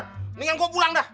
ini yang gue pulang dah